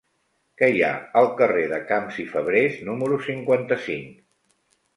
Què hi ha al carrer de Camps i Fabrés número cinquanta-cinc?